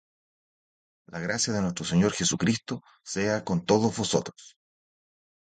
La gracia de nuestro Señor Jesucristo sea con todos vosotros.